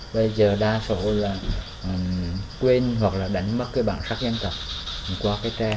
bây giờ đa số là quên hoặc là đánh mất cái bản sắc dân tộc qua cái tre